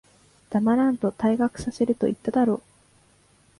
黙らんと、退学させると言っただろ。